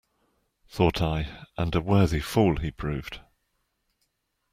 Thought I, and a worthy fool he proved.